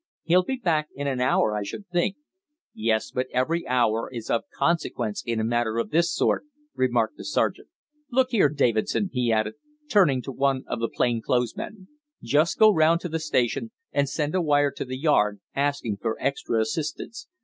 "He'll be back in an hour, I should think." "Yes, but every hour is of consequence in a matter of this sort," remarked the sergeant. "Look here, Davidson," he added, turning to one of the plain clothes men, "just go round to the station and send a wire to the Yard, asking for extra assistance.